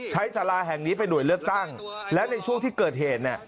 สาราแห่งนี้เป็นหน่วยเลือกตั้งและในช่วงที่เกิดเหตุเนี่ย